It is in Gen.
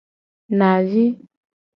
Navi.